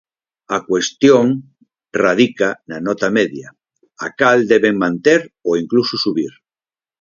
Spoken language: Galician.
A cuestión radica na nota media, a cal deben manter ou incluso subir.